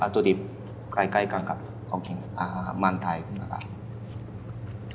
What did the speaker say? ตุดิบใกล้กันกับมันไทยนะครับ